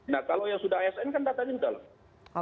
nah kalau yang sudah asn kan datanya sudah lah